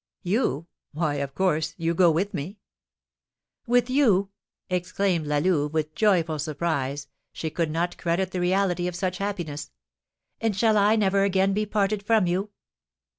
"You? Why, of course, you go with me!" "With you?" exclaimed La Louve, with joyful surprise, she could not credit the reality of such happiness. "And shall I never again be parted from you?"